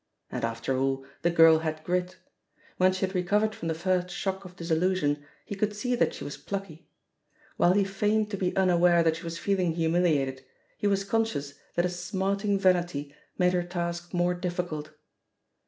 And, after all, the girl had grit I When she had re covered from the first shock of disillusion, he could see that she was plucky. While he feigned to be imaware that she was feeling htuniliated, he was conscious that a smarting vanity made her task more difficult.